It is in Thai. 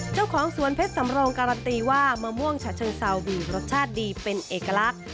เจ้าของสวนเพชรสำโรงการันตีว่ามะม่วงฉะเชิงเซามีรสชาติดีเป็นเอกลักษณ์